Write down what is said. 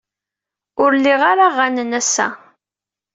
Ur liɣ ara aɣanen ass-a.